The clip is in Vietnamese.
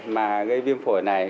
mà gây viêm phổi này